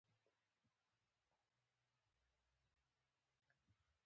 کوچنۍ ډلې پرې خېټه اچولې وه.